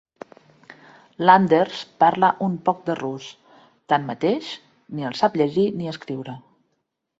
Landers parla un poc de rus; tanmateix, ni el sap llegir ni escriure.